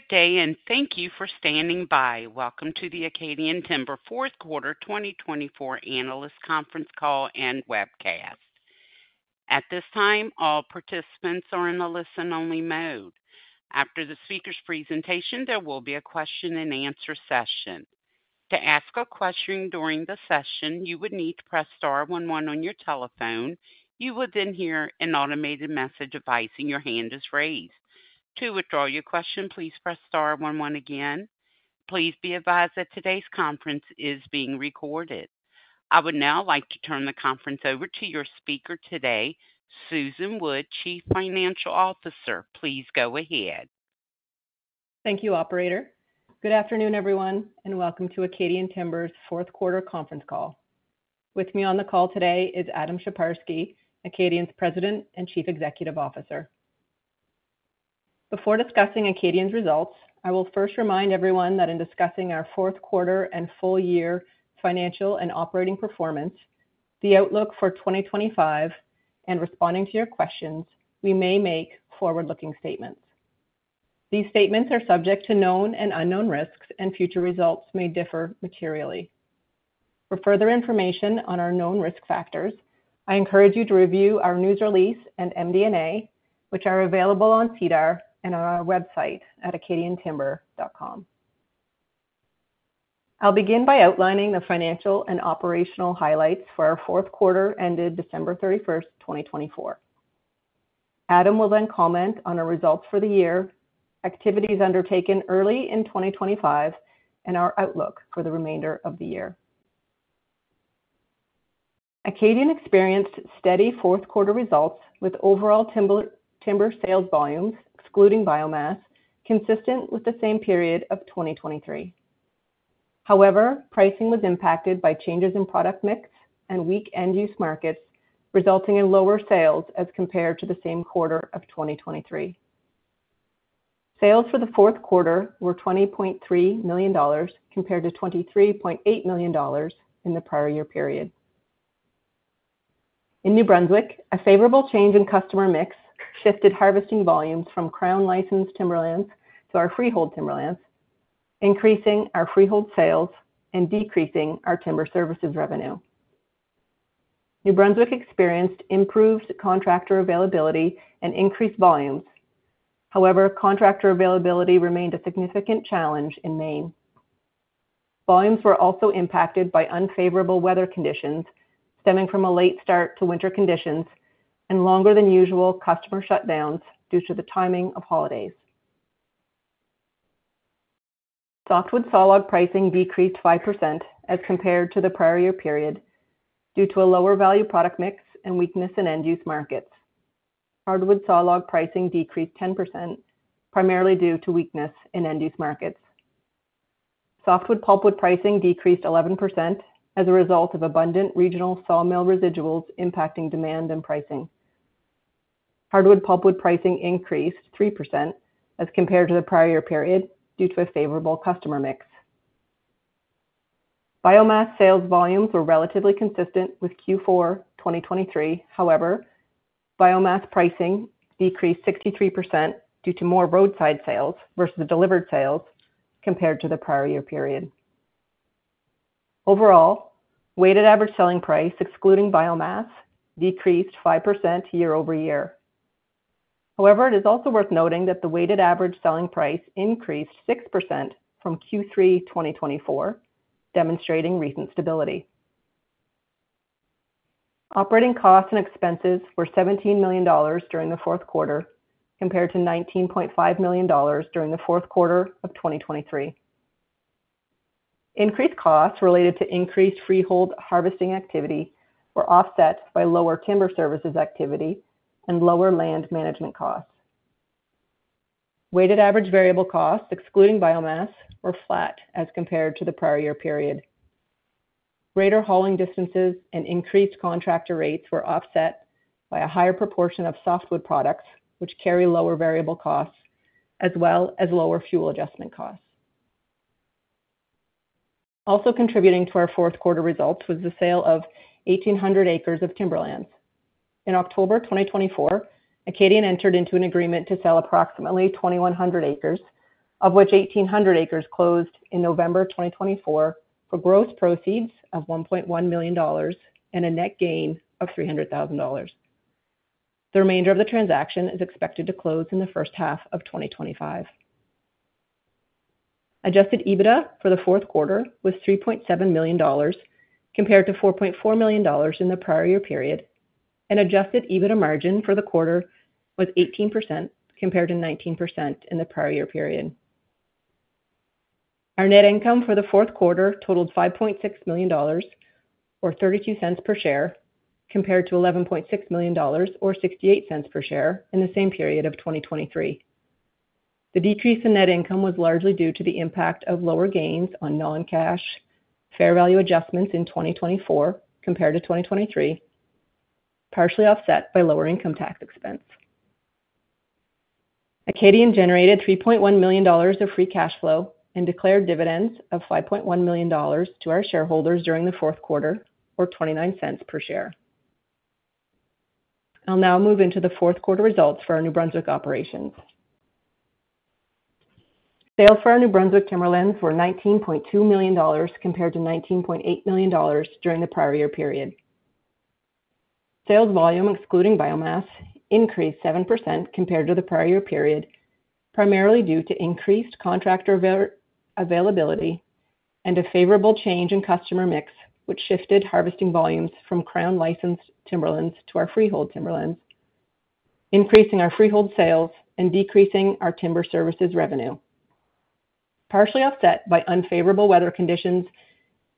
Good day, and thank you for standing by. Welcome to the Acadian Timber Fourth Quarter 2024 Analyst Conference Call and webcast. At this time, all participants are in a listen-only mode. After the speaker's presentation, there will be a question-and-answer session. To ask a question during the session, you would need to press star one one on your telephone. You will then hear an automated message advising your hand is raised. To withdraw your question, please press star one one again. Please be advised that today's conference is being recorded. I would now like to turn the conference over to your speaker today, Susan Wood, Chief Financial Officer. Please go ahead. Thank you, Operator. Good afternoon, everyone, and welcome to Acadian Timber's Fourth Quarter Conference Call. With me on the call today is Adam Sheparski, Acadian's President and Chief Executive Officer. Before discussing Acadian's results, I will first remind everyone that in discussing our fourth quarter and full-year financial and operating performance, the outlook for 2025, and responding to your questions, we may make forward-looking statements. These statements are subject to known and unknown risks, and future results may differ materially. For further information on our known risk factors, I encourage you to review our news release and MD&A, which are available on SEDAR and on our website at acadiantimber.com. I'll begin by outlining the financial and operational highlights for our fourth quarter ended December 31st, 2024. Adam will then comment on our results for the year, activities undertaken early in 2025, and our outlook for the remainder of the year. Acadian experienced steady fourth quarter results with overall timber sales volumes, excluding biomass, consistent with the same period of 2023. However, pricing was impacted by changes in product mix and weak end-use markets, resulting in lower sales as compared to the same quarter of 2023. Sales for the fourth quarter were 20.3 million dollars compared to 23.8 million dollars in the prior year period. In New Brunswick, a favorable change in customer mix shifted harvesting volumes from Crown-licensed timberlands to our freehold timberlands, increasing our freehold sales and decreasing our timber services revenue. New Brunswick experienced improved contractor availability and increased volumes. However, contractor availability remained a significant challenge in Maine. Volumes were also impacted by unfavorable weather conditions stemming from a late start to winter conditions and longer-than-usual customer shutdowns due to the timing of holidays. Softwood sawlog pricing decreased 5% as compared to the prior year period due to a lower value product mix and weakness in end-use markets. Hardwood sawlog pricing decreased 10%, primarily due to weakness in end-use markets. Softwood pulpwood pricing decreased 11% as a result of abundant regional sawmill residuals impacting demand and pricing. Hardwood pulpwood pricing increased 3% as compared to the prior year period due to a favorable customer mix. Biomass sales volumes were relatively consistent with Q4 2023. However, biomass pricing decreased 63% due to more roadside sales versus delivered sales compared to the prior year period. Overall, weighted average selling price, excluding biomass, decreased 5% year-over-year. However, it is also worth noting that the weighted average selling price increased 6% from Q3 2024, demonstrating recent stability. Operating costs and expenses were $17 million during the fourth quarter compared to $19.5 million during the fourth quarter of 2023. Increased costs related to increased freehold harvesting activity were offset by lower timber services activity and lower land management costs. Weighted average variable costs, excluding biomass, were flat as compared to the prior year period. Greater hauling distances and increased contractor rates were offset by a higher proportion of softwood products, which carry lower variable costs as well as lower fuel adjustment costs. Also contributing to our fourth quarter results was the sale of 1,800 acres of timberlands. In October 2024, Acadian entered into an agreement to sell approximately 2,100 acres, of which 1,800 acres closed in November 2024 for gross proceeds of $1.1 million and a net gain of $300,000. The remainder of the transaction is expected to close in the first half of 2025. Adjusted EBITDA for the fourth quarter was 3.7 million dollars compared to 4.4 million dollars in the prior year period, and adjusted EBITDA margin for the quarter was 18% compared to 19% in the prior year period. Our net income for the fourth quarter totaled 5.6 million dollars or 0.32 per share compared to 11.6 million dollars or 0.68 per share in the same period of 2023. The decrease in net income was largely due to the impact of lower gains on non-cash fair value adjustments in 2024 compared to 2023, partially offset by lower income tax expense. Acadian generated 3.1 million dollars of free cash flow and declared dividends of 5.1 million dollars to our shareholders during the fourth quarter, or 0.29 per share. I'll now move into the fourth quarter results for our New Brunswick operations. Sales for our New Brunswick timberlands were 19.2 million dollars compared to 19.8 million dollars during the prior year period. Sales volume, excluding biomass, increased 7% compared to the prior year period, primarily due to increased contractor availability and a favorable change in customer mix, which shifted harvesting volumes from Crown-licensed timberlands to our freehold timberlands, increasing our freehold sales and decreasing our timber services revenue, partially offset by unfavorable weather conditions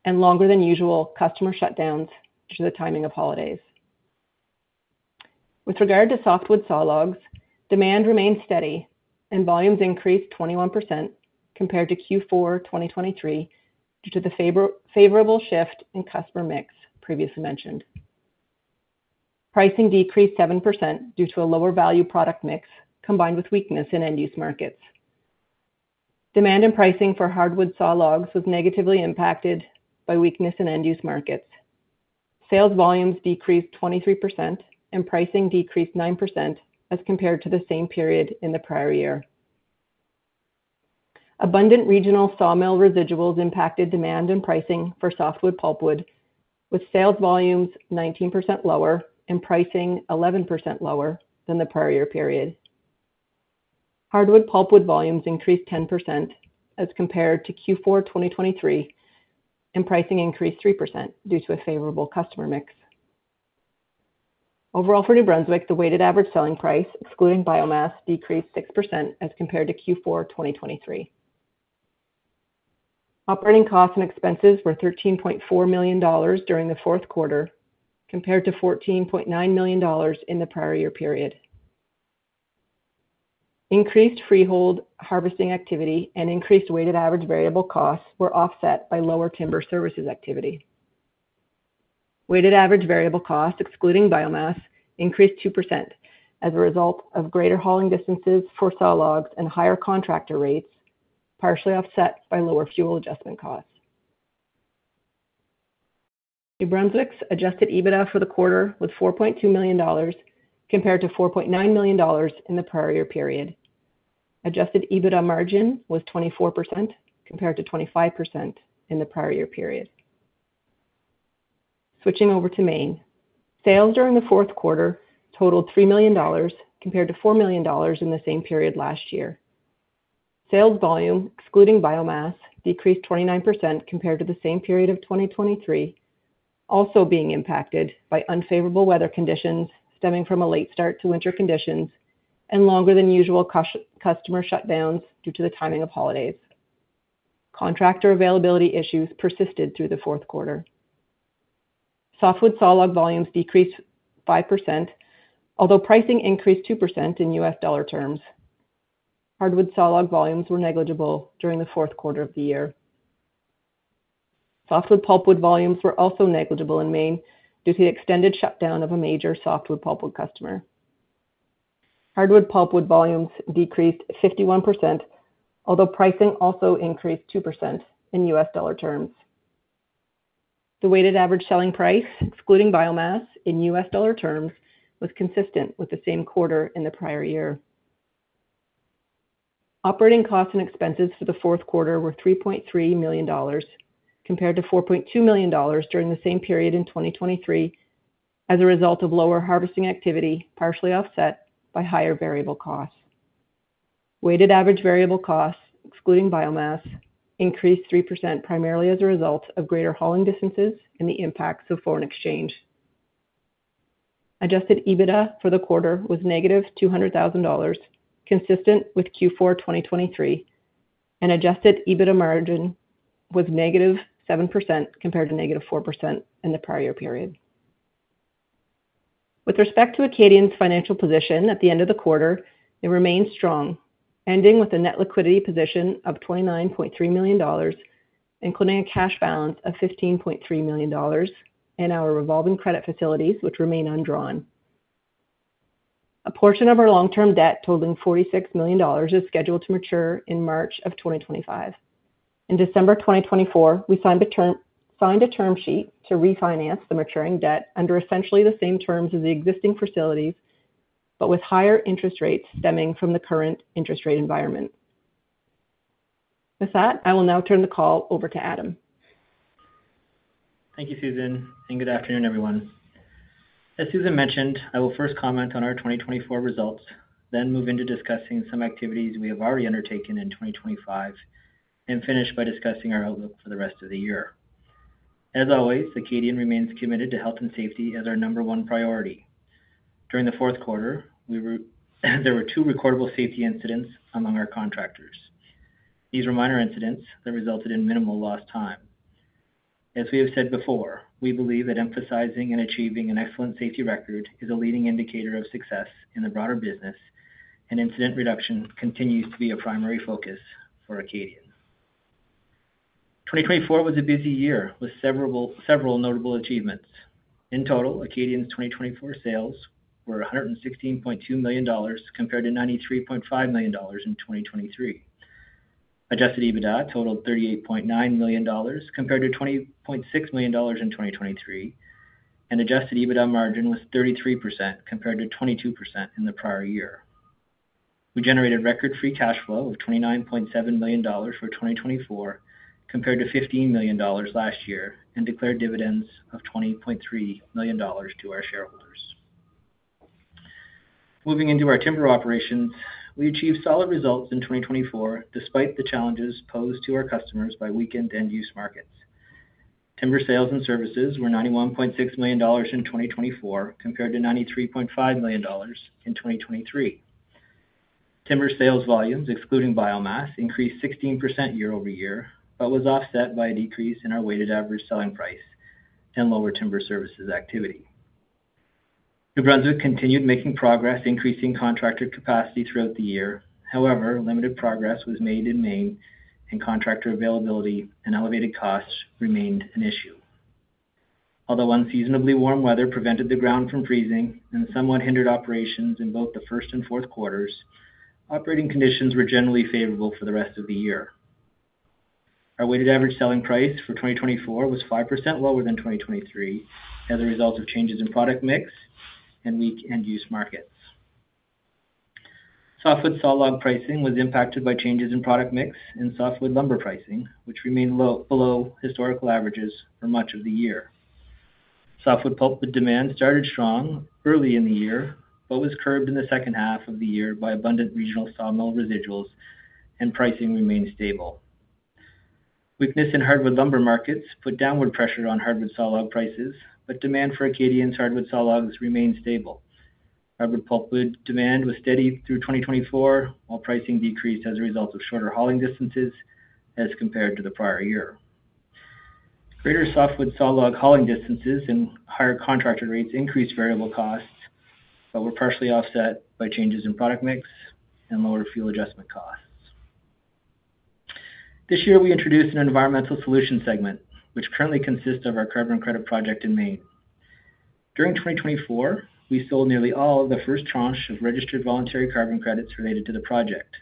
and longer-than-usual customer shutdowns due to the timing of holidays. With regard to softwood sawlogs, demand remained steady and volumes increased 21% compared to Q4 2023 due to the favorable shift in customer mix previously mentioned. Pricing decreased 7% due to a lower value product mix combined with weakness in end-use markets. Demand and pricing for hardwood sawlogs was negatively impacted by weakness in end-use markets. Sales volumes decreased 23% and pricing decreased 9% as compared to the same period in the prior year. Abundant regional sawmill residuals impacted demand and pricing for softwood pulpwood, with sales volumes 19% lower and pricing 11% lower than the prior year period. Hardwood pulpwood volumes increased 10% as compared to Q4 2023, and pricing increased 3% due to a favorable customer mix. Overall, for New Brunswick, the weighted average selling price, excluding biomass, decreased 6% as compared to Q4 2023. Operating costs and expenses were 13.4 million dollars during the fourth quarter compared to 14.9 million dollars in the prior year period. Increased freehold harvesting activity and increased weighted average variable costs were offset by lower timber services activity. Weighted average variable costs, excluding biomass, increased 2% as a result of greater hauling distances for sawlogs and higher contractor rates, partially offset by lower fuel adjustment costs. New Brunswick's adjusted EBITDA for the quarter was 4.2 million dollars compared to 4.9 million dollars in the prior year period. Adjusted EBITDA margin was 24% compared to 25% in the prior year period. Switching over to Maine, sales during the fourth quarter totaled $3 million compared to $4 million in the same period last year. Sales volume, excluding biomass, decreased 29% compared to the same period of 2023, also being impacted by unfavorable weather conditions stemming from a late start to winter conditions and longer-than-usual customer shutdowns due to the timing of holidays. Contractor availability issues persisted through the fourth quarter. Softwood sawlog volumes decreased 5%, although pricing increased 2% in U.S. dollar terms. Hardwood sawlog volumes were negligible during the fourth quarter of the year. Softwood pulpwood volumes were also negligible in Maine due to the extended shutdown of a major softwood pulpwood customer. Hardwood pulpwood volumes decreased 51%, although pricing also increased 2% in U.S. dollar terms. The weighted average selling price, excluding biomass, in U.S. dollar terms was consistent with the same quarter in the prior year. Operating costs and expenses for the fourth quarter were 3.3 million dollars compared to 4.2 million dollars during the same period in 2023 as a result of lower harvesting activity, partially offset by higher variable costs. Weighted average variable costs, excluding biomass, increased 3% primarily as a result of greater hauling distances and the impacts of foreign exchange. Adjusted EBITDA for the quarter was -200,000 dollars, consistent with Q4 2023, and adjusted EBITDA margin was -7% compared to -4% in the prior year period. With respect to Acadian's financial position at the end of the quarter, it remained strong, ending with a net liquidity position of 29.3 million dollars, including a cash balance of 15.3 million dollars and our revolving credit facilities, which remain undrawn. A portion of our long-term debt totaling 46 million dollars is scheduled to mature in March of 2025. In December 2024, we signed a term sheet to refinance the maturing debt under essentially the same terms as the existing facilities, but with higher interest rates stemming from the current interest rate environment. With that, I will now turn the call over to Adam. Thank you, Susan, and good afternoon, everyone. As Susan mentioned, I will first comment on our 2024 results, then move into discussing some activities we have already undertaken in 2025, and finish by discussing our outlook for the rest of the year. As always, Acadian remains committed to health and safety as our number one priority. During the fourth quarter, there were two recordable safety incidents among our contractors. These were minor incidents that resulted in minimal lost time. As we have said before, we believe that emphasizing and achieving an excellent safety record is a leading indicator of success in the broader business, and incident reduction continues to be a primary focus for Acadian. 2024 was a busy year with several notable achievements. In total, Acadian's 2024 sales were 116.2 million dollars compared to 93.5 million dollars in 2023. Adjusted EBITDA totaled 38.9 million dollars compared to 20.6 million dollars in 2023, and adjusted EBITDA margin was 33% compared to 22% in the prior year. We generated record free cash flow of 29.7 million dollars for 2024 compared to 15 million dollars last year and declared dividends of 20.3 million dollars to our shareholders. Moving into our timber operations, we achieved solid results in 2024 despite the challenges posed to our customers by weakened end-use markets. Timber sales and services were 91.6 million dollars in 2024 compared to 93.5 million dollars in 2023. Timber sales volumes, excluding biomass, increased 16% year-over-year, but was offset by a decrease in our weighted average selling price and lower timber services activity. New Brunswick continued making progress, increasing contractor capacity throughout the year. However, limited progress was made in Maine, and contractor availability and elevated costs remained an issue. Although unseasonably warm weather prevented the ground from freezing and somewhat hindered operations in both the first and fourth quarters, operating conditions were generally favorable for the rest of the year. Our weighted average selling price for 2024 was 5% lower than 2023 as a result of changes in product mix and weak end-use markets. Softwood sawlog pricing was impacted by changes in product mix and softwood lumber pricing, which remained below historical averages for much of the year. Softwood pulpwood demand started strong early in the year, but was curbed in the second half of the year by abundant regional sawmill residuals, and pricing remained stable. Weakness in hardwood lumber markets put downward pressure on hardwood sawlog prices, but demand for Acadian's hardwood sawlogs remained stable. Hardwood pulpwood demand was steady through 2024, while pricing decreased as a result of shorter hauling distances as compared to the prior year. Greater softwood sawlog hauling distances and higher contractor rates increased variable costs, but were partially offset by changes in product mix and lower fuel adjustment costs. This year, we introduced an Environmental Solutions segment, which currently consists of our carbon credit project in Maine. During 2024, we sold nearly all of the first tranche of registered voluntary carbon credits related to the project.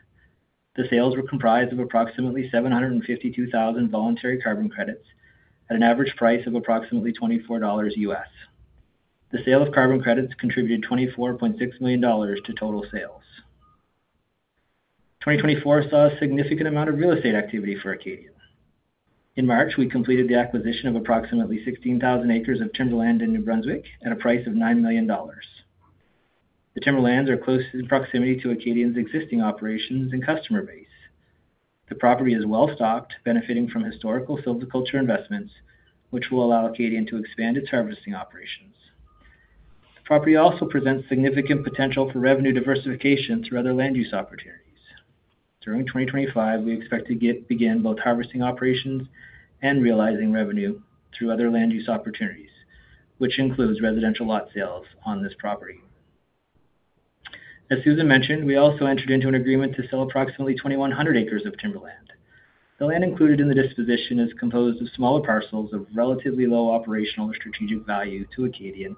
The sales were comprised of approximately 752,000 voluntary carbon credits at an average price of approximately $24 U.S. The sale of carbon credits contributed 24.6 million dollars to total sales. 2024 saw a significant amount of real estate activity for Acadian. In March, we completed the acquisition of approximately 16,000 acres of timberland in New Brunswick at a price of 9 million dollars. The timberlands are close in proximity to Acadian's existing operations and customer base. The property is well stocked, benefiting from historical silviculture investments, which will allow Acadian to expand its harvesting operations. The property also presents significant potential for revenue diversification through other land use opportunities. During 2025, we expect to begin both harvesting operations and realizing revenue through other land use opportunities, which includes residential lot sales on this property. As Susan mentioned, we also entered into an agreement to sell approximately 2,100 acres of timberland. The land included in the disposition is composed of smaller parcels of relatively low operational or strategic value to Acadian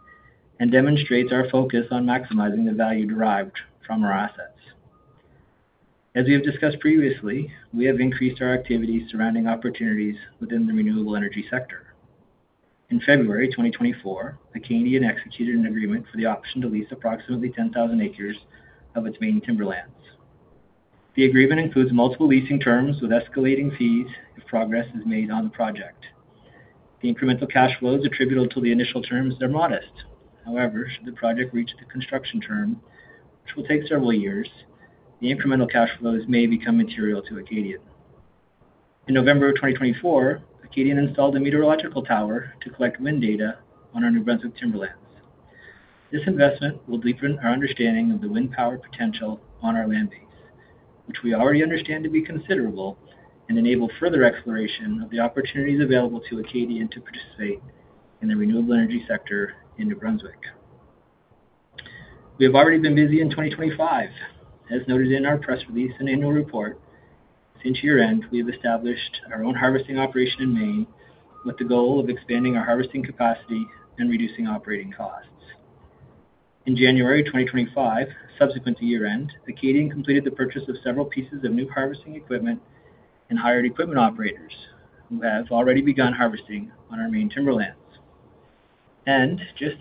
and demonstrates our focus on maximizing the value derived from our assets. As we have discussed previously, we have increased our activity surrounding opportunities within the renewable energy sector. In February 2024, Acadian executed an agreement for the option to lease approximately 10,000 acres of its Maine timberlands. The agreement includes multiple leasing terms with escalating fees if progress is made on the project. The incremental cash flows attributable to the initial terms are modest. However, should the project reach the construction term, which will take several years, the incremental cash flows may become material to Acadian. In November of 2024, Acadian installed a meteorological tower to collect wind data on our New Brunswick timberlands. This investment will deepen our understanding of the wind power potential on our land base, which we already understand to be considerable and enable further exploration of the opportunities available to Acadian to participate in the renewable energy sector in New Brunswick. We have already been busy in 2025. As noted in our press release and annual report, since year-end, we have established our own harvesting operation in Maine with the goal of expanding our harvesting capacity and reducing operating costs. In January 2025, subsequent to year-end, Acadian completed the purchase of several pieces of new harvesting equipment and hired equipment operators who have already begun harvesting on our Maine timberlands.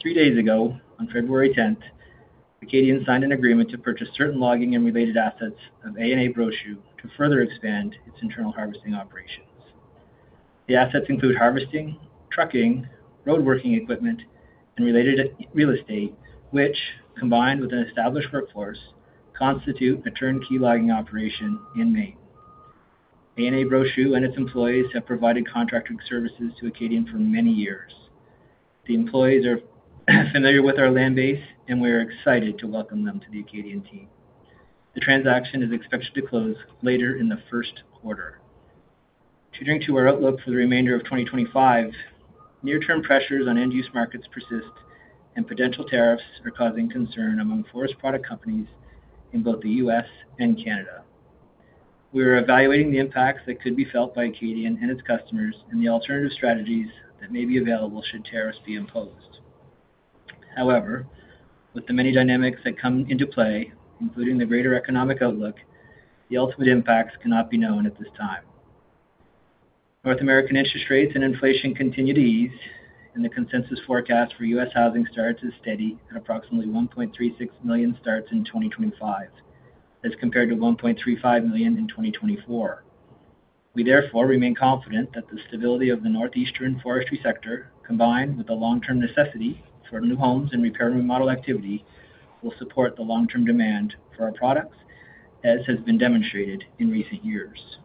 Three days ago, on February 10th, Acadian signed an agreement to purchase certain logging and related assets of A&A Brochu to further expand its internal harvesting operations. The assets include harvesting, trucking, roadworking equipment, and related real estate, which, combined with an established workforce, constitute a turnkey logging operation in Maine. A&A Brochu and its employees have provided contracting services to Acadian for many years. The employees are familiar with our land base, and we are excited to welcome them to the Acadian team. The transaction is expected to close later in the first quarter. Turning to our outlook for the remainder of 2025, near-term pressures on end-use markets persist, and potential tariffs are causing concern among forest product companies in both the U.S. and Canada. We are evaluating the impacts that could be felt by Acadian and its customers and the alternative strategies that may be available should tariffs be imposed. However, with the many dynamics that come into play, including the greater economic outlook, the ultimate impacts cannot be known at this time. North American interest rates and inflation continue to ease, and the consensus forecast for U.S. housing starts is steady at approximately 1.36 million starts in 2025, as compared to 1.35 million in 2024. We therefore remain confident that the stability of the northeastern forestry sector, combined with the long-term necessity for new homes and repair and remodel activity, will support the long-term demand for our products, as has been demonstrated in recent years.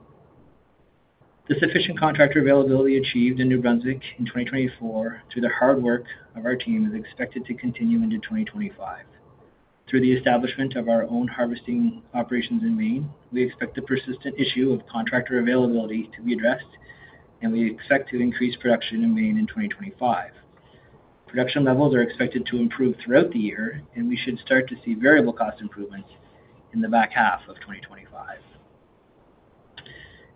The sufficient contractor availability achieved in New Brunswick in 2024 through the hard work of our team is expected to continue into 2025. Through the establishment of our own harvesting operations in Maine, we expect the persistent issue of contractor availability to be addressed, and we expect to increase production in Maine in 2025. Production levels are expected to improve throughout the year, and we should start to see variable cost improvements in the back half of 2025.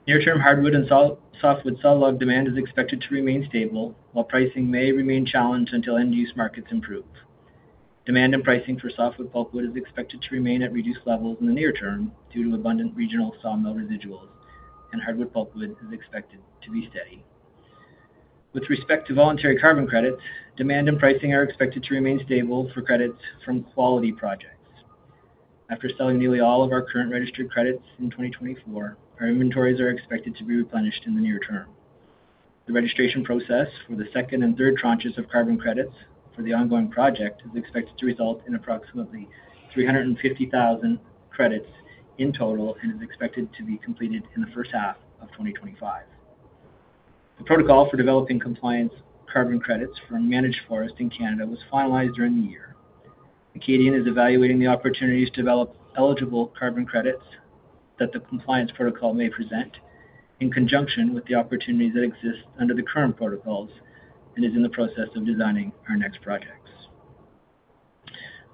Near-term hardwood and softwood sawlog demand is expected to remain stable, while pricing may remain challenged until end-use markets improve. Demand and pricing for softwood pulpwood is expected to remain at reduced levels in the near term due to abundant regional sawmill residuals, and hardwood pulpwood is expected to be steady. With respect to voluntary carbon credits, demand and pricing are expected to remain stable for credits from quality projects. After selling nearly all of our current registered credits in 2024, our inventories are expected to be replenished in the near term. The registration process for the second and third tranches of carbon credits for the ongoing project is expected to result in approximately 350,000 credits in total and is expected to be completed in the first half of 2025. The protocol for developing compliance carbon credits for managed forest in Canada was finalized during the year. Acadian is evaluating the opportunities to develop eligible carbon credits that the compliance protocol may present in conjunction with the opportunities that exist under the current protocols and is in the process of designing our next projects.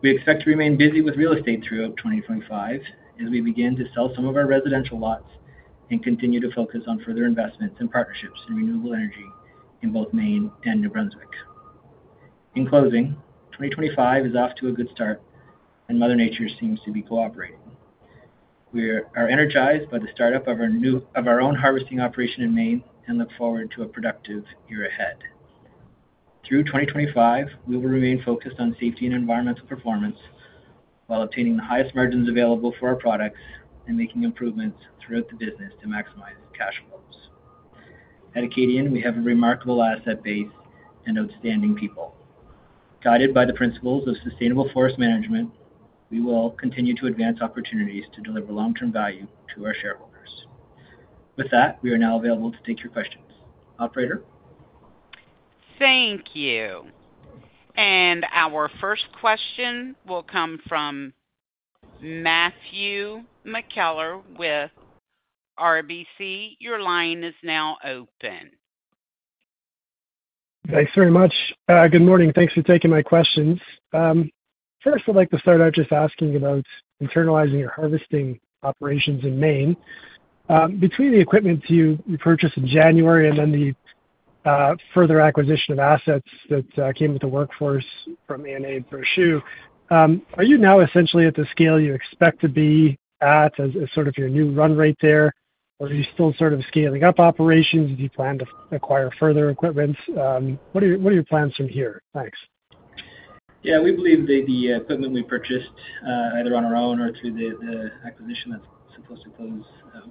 We expect to remain busy with real estate throughout 2025 as we begin to sell some of our residential lots and continue to focus on further investments and partnerships in renewable energy in both Maine and New Brunswick. In closing, 2025 is off to a good start, and Mother Nature seems to be cooperating. We are energized by the startup of our own harvesting operation in Maine and look forward to a productive year ahead. Through 2025, we will remain focused on safety and environmental performance while obtaining the highest margins available for our products and making improvements throughout the business to maximize cash flows. At Acadian, we have a remarkable asset base and outstanding people. Guided by the principles of sustainable forest management, we will continue to advance opportunities to deliver long-term value to our shareholders. With that, we are now available to take your questions. Operator? Thank you. Our first question will come from Matthew McKellar with RBC. Your line is now open. Thanks very much. Good morning. Thanks for taking my questions. First, I'd like to start out just asking about internalizing your harvesting operations in Maine. Between the equipment you purchased in January and then the further acquisition of assets that came with the workforce from A&A Brochu, are you now essentially at the scale you expect to be at as sort of your new run rate there, or are you still sort of scaling up operations? Do you plan to acquire further equipment? What are your plans from here? Thanks. Yeah, we believe that the equipment we purchased, either on our own or through the acquisition that's supposed to close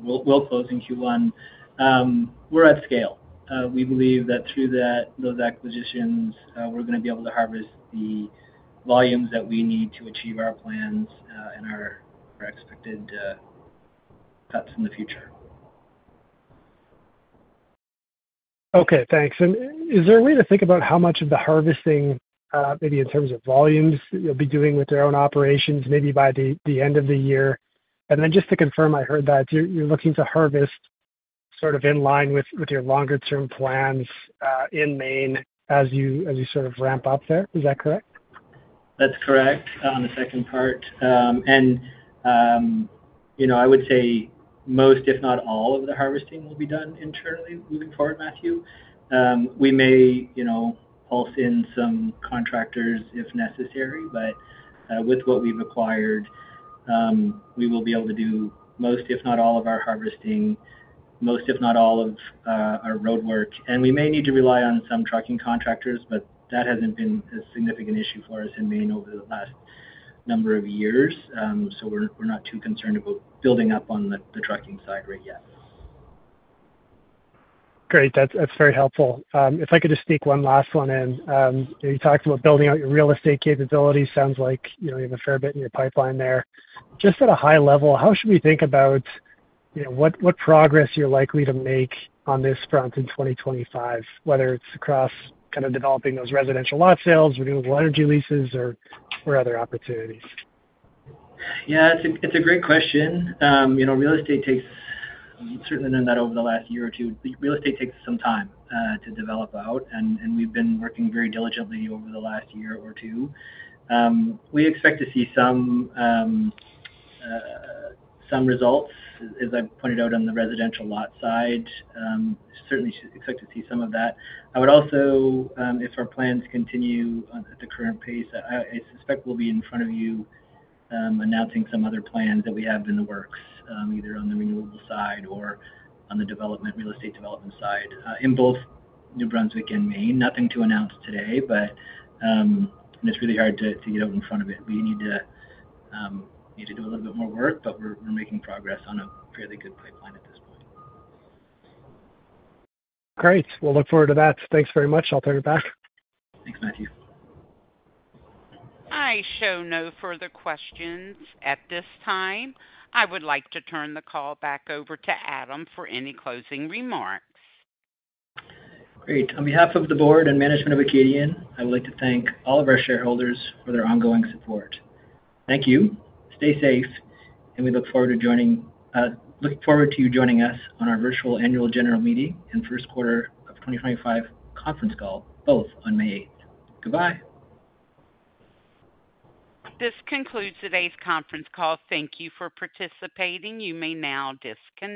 will close in Q1, we're at scale. We believe that through those acquisitions, we're going to be able to harvest the volumes that we need to achieve our plans and our expected cuts in the future. Okay, thanks. Is there a way to think about how much of the harvesting, maybe in terms of volumes, you'll be doing with your own operations maybe by the end of the year? Just to confirm, I heard that you're looking to harvest sort of in line with your longer-term plans in Maine as you sort of ramp up there. Is that correct? That's correct on the second part. I would say most, if not all, of the harvesting will be done internally moving forward, Matthew. We may pulse in some contractors if necessary, but with what we've acquired, we will be able to do most, if not all, of our harvesting, most, if not all, of our roadwork. We may need to rely on some trucking contractors, but that hasn't been a significant issue for us in Maine over the last number of years. We are not too concerned about building up on the trucking side right yet. Great. That's very helpful. If I could just sneak one last one in. You talked about building out your real estate capabilities. Sounds like you have a fair bit in your pipeline there. Just at a high level, how should we think about what progress you're likely to make on this front in 2025, whether it's across kind of developing those residential lot sales, renewable energy leases, or other opportunities? Yeah, it's a great question. Real estate takes, certainly not over the last year or two, real estate takes some time to develop out, and we've been working very diligently over the last year or two. We expect to see some results, as I pointed out on the residential lot side. Certainly expect to see some of that. I would also, if our plans continue at the current pace, I suspect we'll be in front of you announcing some other plans that we have in the works, either on the renewable side or on the real estate development side in both New Brunswick and Maine. Nothing to announce today, but it's really hard to get out in front of it. We need to do a little bit more work, but we're making progress on a fairly good pipeline at this point. Great. We'll look forward to that. Thanks very much. I'll turn it back. Thanks, Matthew. I show no further questions at this time. I would like to turn the call back over to Adam for any closing remarks. Great. On behalf of the Board and management of Acadian, I would like to thank all of our shareholders for their ongoing support. Thank you. Stay safe, and we look forward to you joining us on our virtual Annual General Meeting and First Quarter of 2025 Conference Call, both on May 8th. Goodbye. This concludes today's conference call. Thank you for participating. You may now disconnect.